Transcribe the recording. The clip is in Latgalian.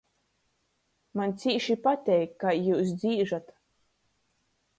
Maņ cīši pateik, kai jius dzīžat.